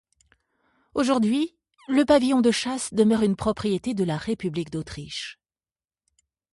Aujourd'hui, le pavillon de chasse demeure une propriété de la République d'Autriche.